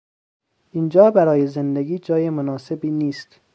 اینجا برای زندگی جای مناسبی نیست.